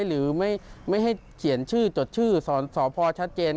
หรือไม่ให้เขียนชื่อจดชื่อสพชัดเจน